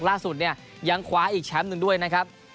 ล่าสุดเนี่ยยังคว้าอีกแชมป์หนึ่งด้วยนะครับ